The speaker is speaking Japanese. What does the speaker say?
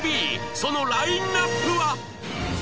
そのラインアップは